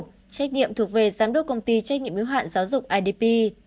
trách nhiệm thuộc về giám đốc công ty trách nhiệm yếu hạn giáo dục idp